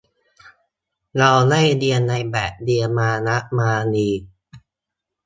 เราได้เรียนในแบบเรียนมานะมานี